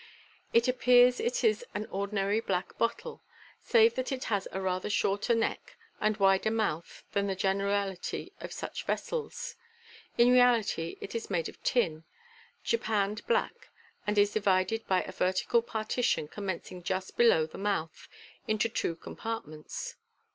In appearance it is an ordinary black bottle, save that it has a rather shorter neck and wider mouth than the generality of such vessels. In reality it is made of tin, japanned black, and is divided by a vertical partition, commencing just below the mouth, into two compartments.